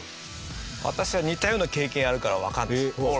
私は似たような経験あるからわかるんです。